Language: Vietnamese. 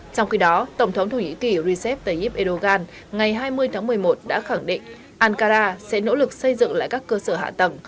trong khi đó tổng thống thổ nhĩ kỳ recep tayyip erdogan ngày hai mươi tháng một mươi một đã khẳng định ankara sẽ nỗ lực xây dựng lại các cơ sở hạ tầng